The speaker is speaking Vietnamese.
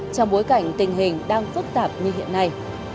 trong bối cảnh tình hình đang phức tạp như hiện nay